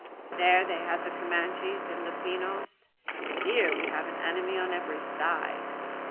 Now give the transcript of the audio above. There they have the Comanches and Lipanos. Here we have an enemy on every side.